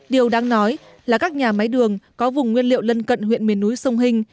điều đáng nói là các nhà máy đường có vùng nguyên liệu lân cận huyện miền núi sông hình